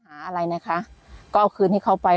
อะไรนะคะก็เอาคืนให้เขาไป